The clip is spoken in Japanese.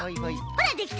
ほらできた！